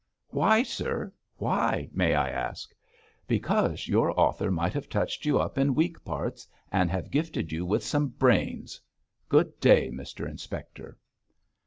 'Why, sir? Why, may I ask?' 'Because your author might have touched you up in weak parts, and have gifted you with some brains. Good day, Mr Inspector.'